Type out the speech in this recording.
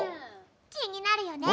きになるよね。